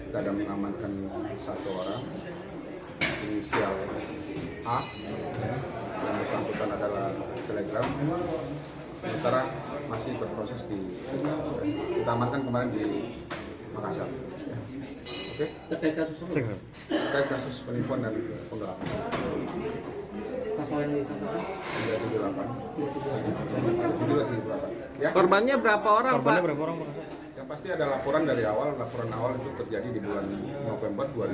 yang pasti ada laporan dari awal laporan awal itu terjadi di bulan november dua ribu dua puluh dua